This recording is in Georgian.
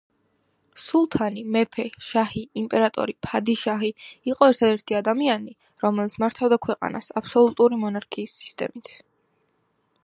სულთანი, მეფე, შაჰი, იმპერატორი, ფადიშაჰი, იყო ერთადერთი ადამიანი, რომელიც მართავდა ქვეყანას, აბსოლუტური მონარქიის სისტემით.